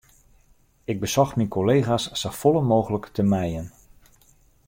Ik besocht myn kollega's safolle mooglik te mijen.